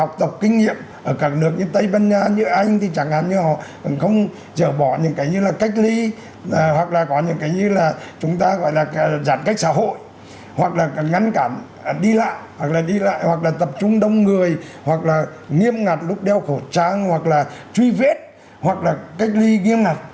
học tập kinh nghiệm ở các nước như tây ban nha như anh thì chẳng hạn như họ cũng không dỡ bỏ những cái như là cách ly hoặc là có những cái như là chúng ta gọi là giãn cách xã hội hoặc là ngăn cản đi lại hoặc là đi lại hoặc là tập trung đông người hoặc là nghiêm ngặt lúc đeo khẩu trang hoặc là truy vết hoặc là cách ly nghiêm ngặt